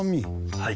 はい。